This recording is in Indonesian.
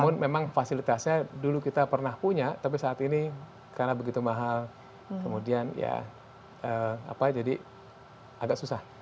namun memang fasilitasnya dulu kita pernah punya tapi saat ini karena begitu mahal kemudian ya apa jadi agak susah